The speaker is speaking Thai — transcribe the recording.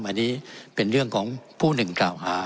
อันนี้เป็นเรื่องของผู้หนึ่งกล่าวหา